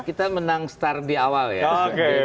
kita menang start di awal ya